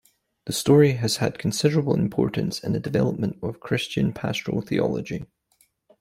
The story has had considerable importance in the development of Christian pastoral theology.